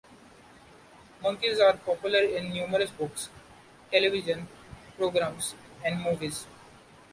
Monkeys are popular in numerous books, television programs, and movies.